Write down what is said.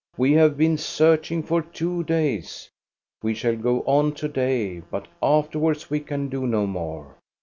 "We have been searching for two days. We shall go on to day; but afterwards we can do no more.